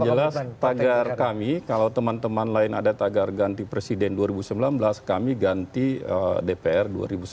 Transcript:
yang jelas tagar kami kalau teman teman lain ada tagar ganti presiden dua ribu sembilan belas kami ganti dpr dua ribu sembilan belas